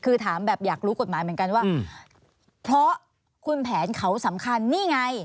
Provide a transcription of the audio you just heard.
คือถามแบบอยากรู้กฎหมายเหมือนกันว่าเพราะคุณแผนเขาสำคัญนี่ไง